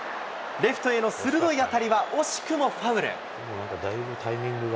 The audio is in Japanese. レフトへの鋭い当たりは、惜しくもファウル。